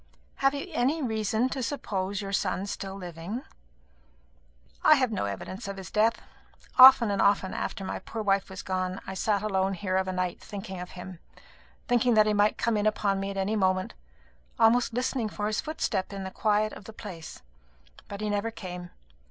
"Have you any reason to suppose your son still living?" "I have no evidence of his death. Often and often, after my poor wife was gone, I have sat alone here of a night thinking of him; thinking that he might come in upon me at any moment; almost listening for his footstep in the quiet of the place. But he never came.